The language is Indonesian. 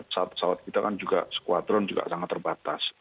pesawat pesawat kita kan juga squadron juga sangat terbatas